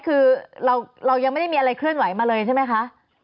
คือเรายังไม่ได้มีอะไรเคลื่อนไหวมาเลยใช่ไหมคะ